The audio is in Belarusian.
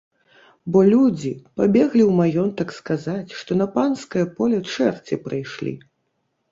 Бо людзі пабеглі ў маёнтак сказаць, што на панскае поле чэрці прыйшлі.